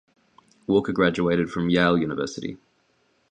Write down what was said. Walker graduated from Yale University.